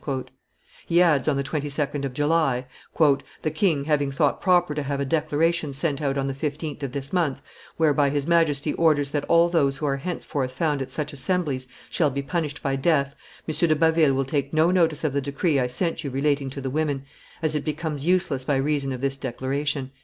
He adds, on the 22d of July, "The king having thought proper to have a declaration sent out on the 15th of this month, whereby his Majesty orders that all those who are henceforth found at such assemblies shall be punished by death, M. de Baville will take no notice of the decree I sent you relating to the women, as it becomes useless by reason of this declaration."